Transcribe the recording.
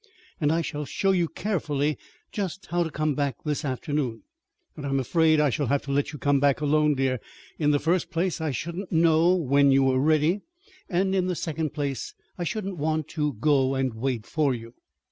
"And I shall show you carefully just how to come back this afternoon; but I'm afraid I shall have to let you come back alone, dear. In the first place, I shouldn't know when you were ready; and in the second place, I shouldn't want to go and wait for you."